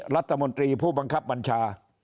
รัฐมนตรีผู้บังคับบัญชา